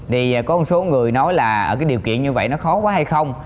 thì có một số người nói là cái điều kiện như vậy nó khó quá hay không